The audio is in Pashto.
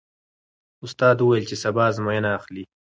استاد وویل چې سبا ازموینه اخلي.